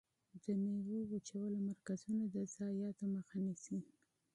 د ميوو وچولو مرکزونه د ضایعاتو مخه نیسي.